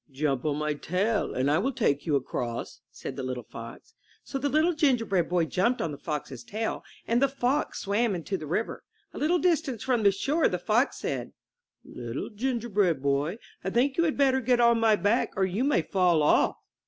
''Jump on my tail and I will take you across,'' said the fox. So the Little Gingerbread Boy jumped on the fox's tail and the fox swam iiito the river. A little distance from the shore the fox said: ''Little Gingerbread Boy, I think you had better get on my back or you may fall off!"